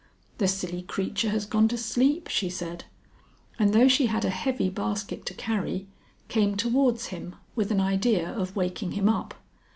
"The silly creature has gone to sleep," she said, and though she had a heavy basket to carry, came towards him with an idea of waking him up.